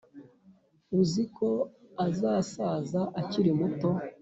uziko azasaza akiri muto